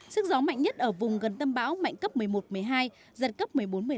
sức gió mạnh nhất ở vùng gần tâm bão mạnh cấp một mươi một một mươi hai giật cấp một mươi bốn một mươi một